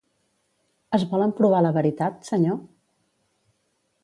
Es vol emprovar la veritat, senyor?